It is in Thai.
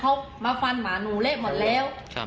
ตอนนี้ขอเอาผิดถึงที่สุดยืนยันแบบนี้